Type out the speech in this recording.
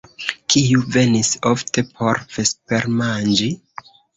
Kiu venis ofte por vespermanĝi?